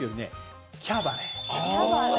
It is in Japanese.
キャバレー。